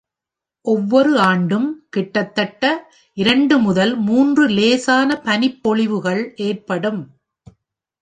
ஒவ்வொரு ஆண்டும் கிட்டத்தட்ட இரண்டு முதல் மூன்று லேசான பனிப்பொழிவுகள் ஏற்படும்.